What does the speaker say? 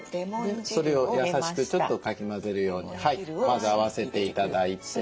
それを優しくちょっとかき混ぜるようにまず合わせて頂いて。